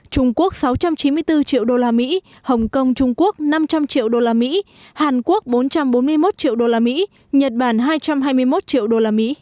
trung quốc sáu trăm chín mươi bốn triệu usd hồng kông trung quốc năm trăm linh triệu usd hàn quốc bốn trăm bốn mươi một triệu usd nhật bản hai trăm hai mươi một triệu usd